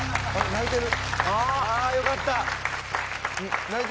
泣いてる！